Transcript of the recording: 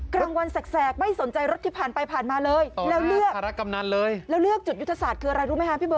ควักอวัยเผชออกมา